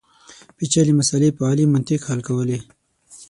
پېچلې مسلې په عالي منطق حل کولې.